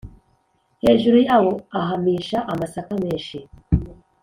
hejuru yawo ahamisha amasaka menshi.